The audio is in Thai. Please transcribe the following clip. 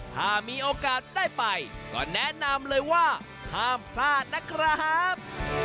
ถ้ามีโอกาสได้ไปก็แนะนำเลยว่าห้ามพลาดนะครับ